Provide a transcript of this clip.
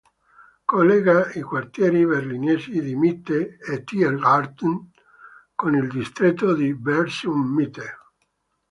Collega i quartieri berlinesi di Mitte e Tiergarten con il distretto di Bezirk Mitte.